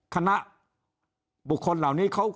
คณะบุคคลเหล่านี้เขา